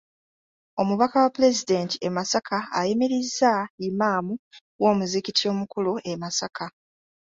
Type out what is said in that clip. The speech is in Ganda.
Omubaka wa Pulezidenti e Masaka ayimirizza Imam w'omuzikiti omukulu e Masaka.